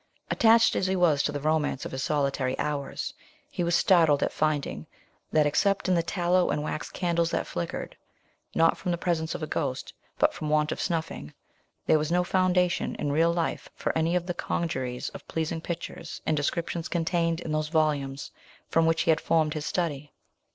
Attached as he was to the romance of his solitary hours, he was startled at finding, that, except in the tallow and wax candles that flickered, not from the presence of a ghost, but from want of snuffing, there was no foundation in real life for any of that congeries of pleasing pictures and descriptions contained in those volumes, from which he had formed his study.